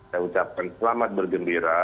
saya ucapkan selamat bergembira